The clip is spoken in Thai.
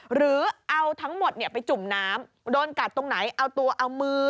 หรือเอาทั้งหมดไปจุ่มน้ำโดนกัดตรงไหนเอาตัวเอามือ